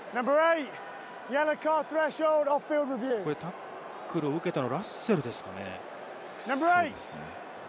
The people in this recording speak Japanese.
タックルを受けたのはラッセルですかね？